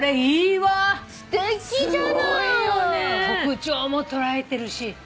特徴も捉えてるし。